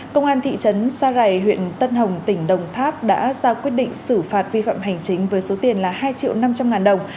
công an thị trấn sa rày huyện tân hồng tỉnh đồng tháp đã ra quyết định xử phạt vi phạm hành chính với số tiền là hai triệu năm trăm linh ngàn đồng